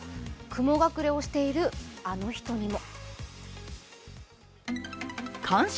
雲隠れをしている、あの人にも。